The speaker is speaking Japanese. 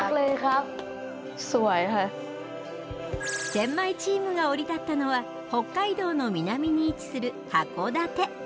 チェンマイチームが降り立ったのは北海道の南に位置する函館。